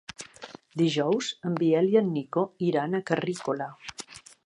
Dijous en Biel i en Nico iran a Carrícola.